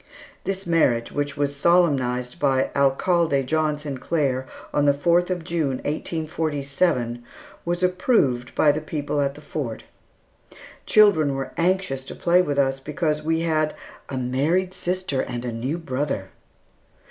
This marriage, which was solemnized by Alcalde John Sinclair on the fourth of June, 1847, was approved by the people at the Fort. Children were anxious to play with us because we had "a married sister and a new brother."